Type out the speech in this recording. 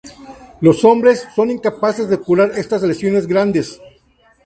Los hombres son incapaces de curar estas lesiones grandes.